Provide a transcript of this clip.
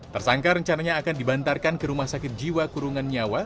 tersangka rencananya akan dibantarkan ke rumah sakit jiwa kurungan nyawa